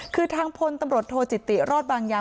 คือทางพลตำรวจโทจิติรอดบางอย่าง